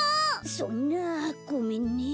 そんなごめんね。